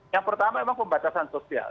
yang pertama memang pembatasan sosial